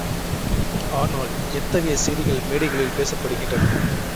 ஆனால் எத்தகைய செய்திகள் மேடைகளில் பேசப்படுகின்றன?